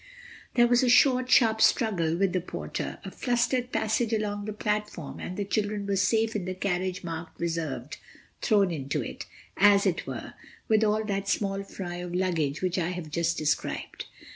There was a short, sharp struggle with the porter, a flustered passage along the platform and the children were safe in the carriage marked "Reserved"—thrown into it, as it were, with all that small fry of luggage which I have just described.